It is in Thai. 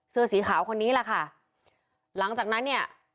เสื้อสีขาวคนนี้แหละค่ะหลังจากนั้นเนี่ย